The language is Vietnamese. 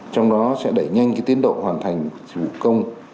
trong đó sẽ đẩy nhanh tiến độ hoàn thành dịch vụ công